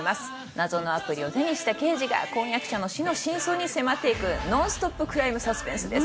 謎のアプリを手にした刑事が婚約者の死の真相に迫っていくノンストップクライムサスペンスです。